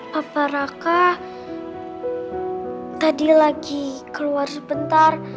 hafa raka tadi lagi keluar sebentar